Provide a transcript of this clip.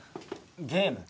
ゲーム？